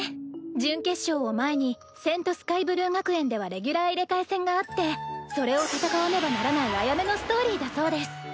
準決勝を前に聖スカイブルー学園ではレギュラー入れ替え戦があってそれを戦わねばならないアヤメのストーリーだそうです。